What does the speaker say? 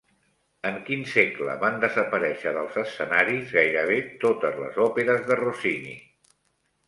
En quin segle van desaparèixer dels escenaris gairebé totes les òperes de Rossini?